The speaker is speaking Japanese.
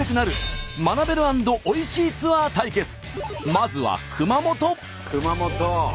まずは熊本。